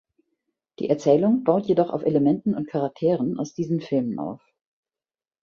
Die Erzählung baut jedoch auf Elementen und Charakteren aus diesen Filmen auf.